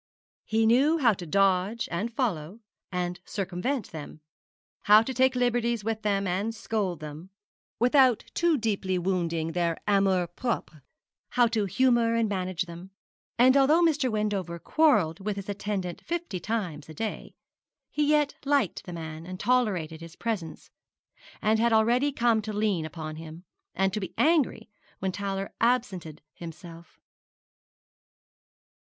He knew how to dodge, and follow, and circumvent them; how to take liberties with them, and scold them, without too deeply wounding their amour propre; how to humour and manage them; and although Mr. Wendover quarrelled with his attendant fifty times a day, he yet liked the man, and tolerated his presence; and had already come to lean upon him, and to be angry when Towler absented himself.